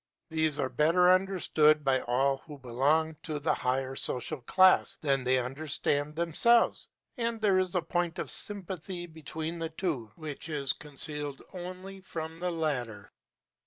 These are better understood by all who belong to a higher social class than they understand themselves; and there is a point of sympathy between the two which is concealed only from the latter.